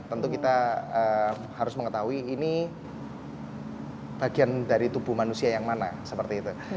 tentu kita harus mengetahui ini bagian dari tubuh manusia yang mana seperti itu